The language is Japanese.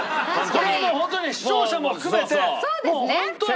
これはもうホントに視聴者も含めてもうホントはどうなんだと。